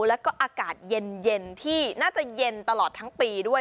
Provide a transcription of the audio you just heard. แล้วก็อากาศเย็นที่น่าจะเย็นตลอดทั้งปีด้วย